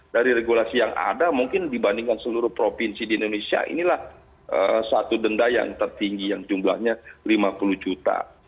dari regulasi yang ada mungkin dibandingkan seluruh provinsi di indonesia inilah satu denda yang tertinggi yang jumlahnya lima puluh juta